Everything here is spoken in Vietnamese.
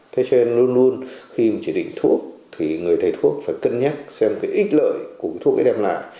thế cho nên luôn luôn khi mà chỉ định thuốc thì người thầy thuốc phải cân nhắc xem cái ít lợi của thuốc ấy đem lại